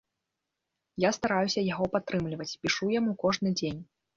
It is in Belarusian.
Я стараюся яго падтрымліваць, пішу яму кожны дзень.